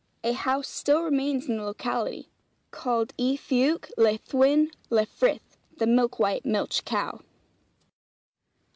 A house still remains in the locality, called Y Fuwch Laethwen Lefrith (The Milk white Milch Cow.)'